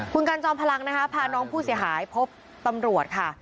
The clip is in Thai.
คุณกันจอมพลังนะคะพาน้องผู้เสียหายพบตำรวจค่ะ